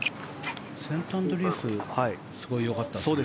セントアンドリュースすごいよかったですよね。